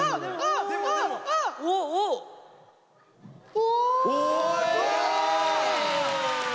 お！